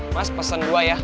mas pesen dua ya